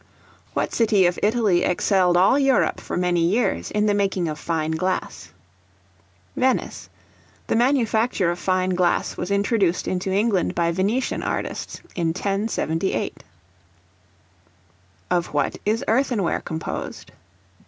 What city of Italy excelled all Europe for many years in the making of fine glass? Venice. The manufacture of fine glass was first introduced into England by Venetian artists in 1078. Of what is Earthenware composed?